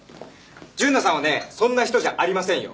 純奈さんはねそんな人じゃありませんよ！